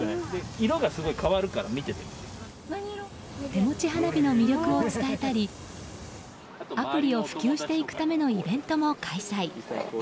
手持ち花火の魅力を伝えたりアプリを普及していくためのイベントも開催。